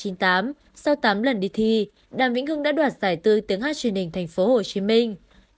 năm một nghìn chín trăm chín mươi tám sau tám lần đi thi đàm vĩnh hương đã đoạt giải tư tiếng hát truyền hình thành phố hồ chí minh